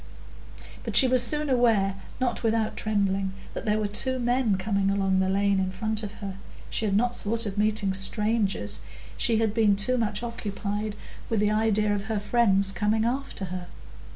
But she was soon aware, not without trembling, that there were two men coming along the lane in front of her; she had not thought of meeting strangers, she had been too much occupied with the idea of her friends coming after her.